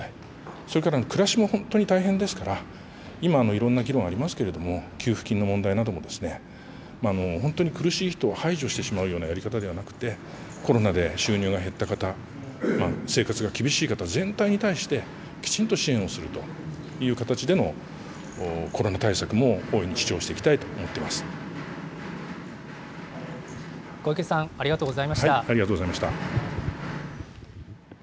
それから暮らしも本当に大変ですから、今、いろんな議論ありますけれども、給付金の問題なども、本当に苦しい人を排除してしまうようなやり方ではなくて、コロナで収入が減った方、生活が厳しい方全体に対して、きちんと支援をするという形でのコロナ対策も大いに主張していき小池さん、ありがとうございありがとうございました。